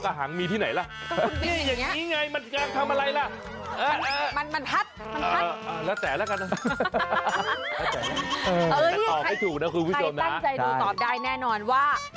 ใครแป้งใจถูกตอบได้แน่นอนว่า